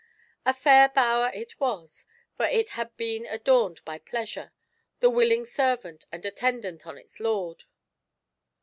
A fair bower it was, for it had been adorned by Pleasure, the willing servant and at tendant on its lord.